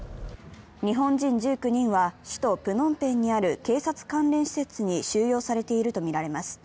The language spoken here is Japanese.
日本人１９人は首都プノンペンにある警察関連施設に収容されているとみられます。